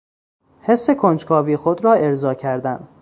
حس کنجکاوی خود را ارضا کردن